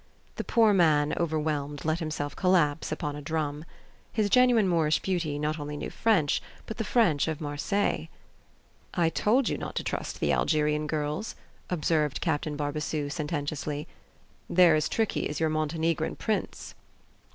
The poor man, overwhelmed, let himself collapse upon a drum. His genuine Moorish beauty not only knew French, but the French of Marseilles! "I told you not to trust the Algerian girls," observed Captain Barbassou sententiously! "They're as tricky as your Montenegrin prince."